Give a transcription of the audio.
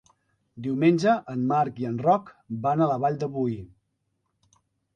Diumenge en Marc i en Roc van a la Vall de Boí.